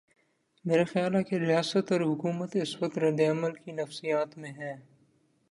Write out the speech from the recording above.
میرا خیال ہے کہ ریاست اور حکومت اس وقت رد عمل کی نفسیات میں ہیں۔